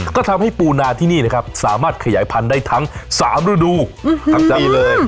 ก็ทำให้ปูนาที่นี่นะครับสามารถขยายพันธุ์ได้ทั้ง๓ฤดูทั้งปีเลย